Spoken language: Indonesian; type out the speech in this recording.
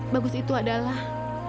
bagus itu adalah